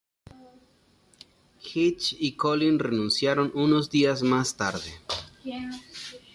Hitch y Collins renunciaron unos días más tarde.